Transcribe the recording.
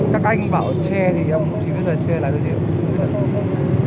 các anh bảo che thì ông chỉ biết là che là điều gì